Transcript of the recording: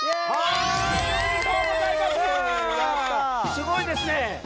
すごいですね！